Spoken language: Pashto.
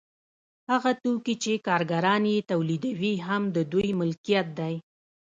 هغه توکي چې کارګران یې تولیدوي هم د دوی ملکیت دی